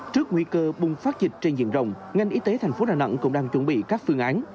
trước nguy cơ bùng phát dịch trên diện rộng ngành y tế thành phố đà nẵng cũng đang chuẩn bị các phương án